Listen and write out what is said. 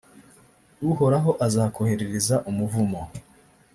uhoraho azakoherereza umuvumo,